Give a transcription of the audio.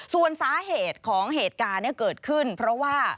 ส่วนสาเหตุของเหตุการณ์เกิดขึ้นเพราะว่า